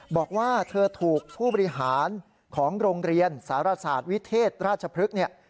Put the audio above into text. บอกว่าเธอถูกผู้บริหารของโรงเรียนสารศาสตร์วิเทศราชพฤกษ์เนี่ย